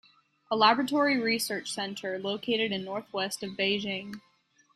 A Laboratory Research centre located in northwest of Beijing.